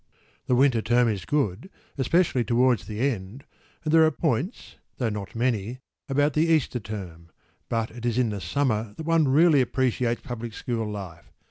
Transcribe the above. The winter term is good, especially towards the end, and there are points, though not many, about the Easter term:  but it is in the summer that one really appreciates public school life.